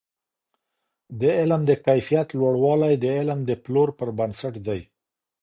د علم د کیفیت لوړوالی د علم د پلور پر بنسټ دی.